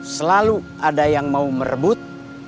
selalu ada yang mau merebut